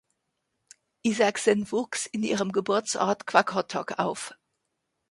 Isaksen wuchs in ihrem Geburtsort Qaqortoq auf.